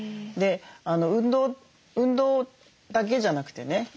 で運動だけじゃなくてね